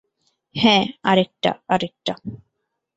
হ্যাঁ, আরেকটা, আরেকটা।